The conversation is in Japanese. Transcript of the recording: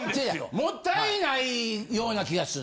もったいないような気がする。